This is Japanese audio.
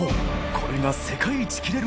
これが世界一切れる